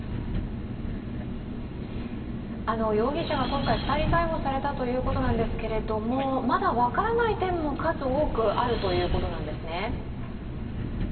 容疑者が今回２人逮捕されたということなんですけれどもまだ分からない点も数多くあるということなんですね？